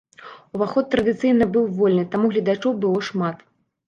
Уваход традыцыйна быў вольны, таму гледачоў было шмат.